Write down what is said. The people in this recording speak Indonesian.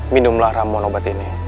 minumlah rambon obat ini